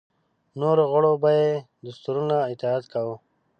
نورو غړو به یې دستورونو اطاعت کاوه.